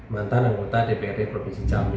mantan anggota dprd provinsi jambi